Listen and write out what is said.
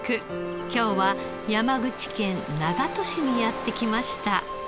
今日は山口県長門市にやって来ました。